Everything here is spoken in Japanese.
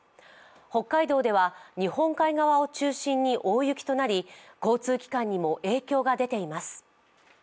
北海道では日本海側を中心に大雪となり交通機関にも影響が出ています。